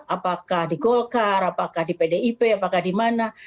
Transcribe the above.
apakah di golkar apakah di pdip apakah di mana